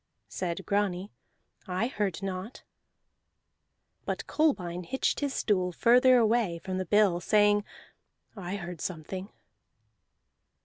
Said Grani, "I heard naught." But Kolbein hitched his stool further away from the bill, saying: "I heard something."